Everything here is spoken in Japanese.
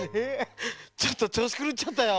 ちょっとちょうしくるっちゃったよ。